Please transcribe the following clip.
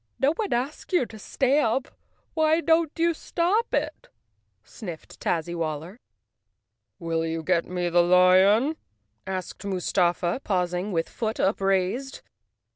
"No one asked you to stamp. Why don't you stop it?" sniffed Tazzywaller. "Will you get me the lion?" asked Mustafa, paus¬ ing with foot upraised.